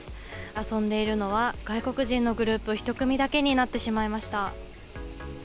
遊んでいるのは、外国人のグループ１組だけになってしまいました。